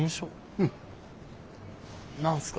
うん。何すか？